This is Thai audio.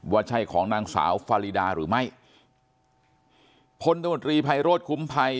ว่าใช่ของนางสาวฟารีดาหรือไม่พลตมตรีไพโรธคุ้มภัย